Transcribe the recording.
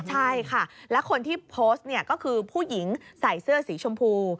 ใช่ค่ะและคนที่โพสต์เนี่ยก็คือผู้หญิงใส่เสื้อสีชมพู